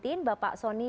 terima kasih juga pak sonny